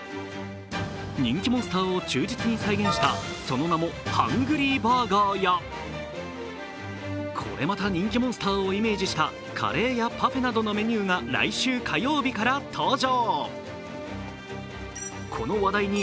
人気モンスターを忠実に再現したその名もハングリーバーガーや、これまた人気モンスターをイメージしたカレーやパフェなどのメニューが来週火曜日から登場。